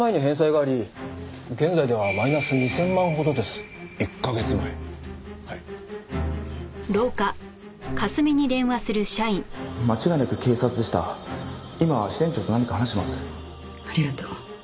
ありがとう。